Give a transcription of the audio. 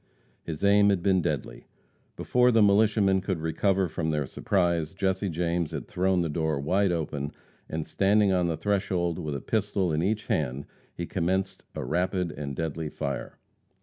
His aim had been deadly. Before the militiamen could recover from their surprise, Jesse James had thrown the door wide open, and, standing on the threshold with a pistol in each hand, he commenced a rapid and deadly fire.